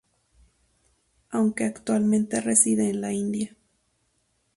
Aunque actualmente reside en la India.